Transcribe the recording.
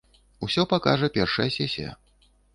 Усё пакажа першая сесія.